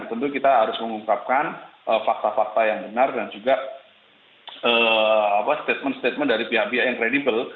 tentu kita harus mengungkapkan fakta fakta yang benar dan juga statement statement dari pihak pihak yang kredibel